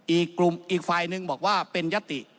อีกกลุ่มอีกฝ่ายหนึ่งบอกว่าเป็นยติ